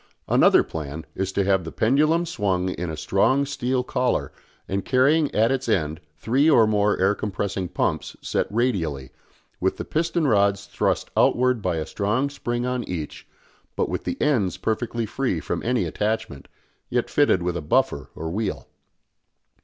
Another plan is to have the pendulum swung in a strong steel collar and carrying at its end three or more air compressing pumps set radially, with the piston rods thrust outwards by a strong spring on each, but with the ends perfectly free from any attachment, yet fitted with a buffer or wheel.